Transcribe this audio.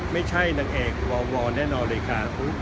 ไม่ใช่นางเอกวอแน่นอนเลยค่ะ